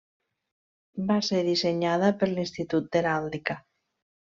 Va ser dissenyada per l'Institut d'Heràldica.